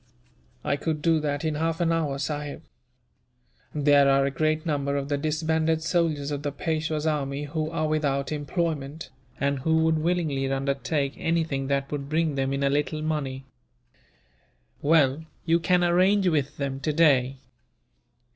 "I could do that in half an hour, sahib. There are a great number of the disbanded soldiers of the Peishwa's army who are without employment, and who would willingly undertake anything that would bring them in a little money." "Well, you can arrange with them, today.